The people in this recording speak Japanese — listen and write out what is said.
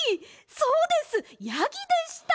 そうですやぎでした！